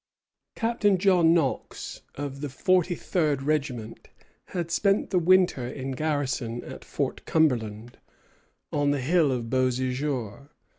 Captain John Knox, of the forty third regiment, had spent the winter in garrison at Fort Cumberland, on the hill of Beauséjour.